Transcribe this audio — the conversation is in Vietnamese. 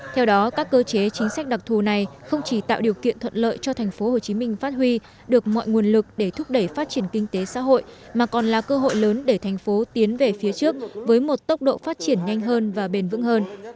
theo đó các cơ chế chính sách đặc thù này không chỉ tạo điều kiện thuận lợi cho tp hcm phát huy được mọi nguồn lực để thúc đẩy phát triển kinh tế xã hội mà còn là cơ hội lớn để thành phố tiến về phía trước với một tốc độ phát triển nhanh hơn và bền vững hơn